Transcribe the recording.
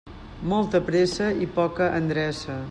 Molta pressa i poca endreça.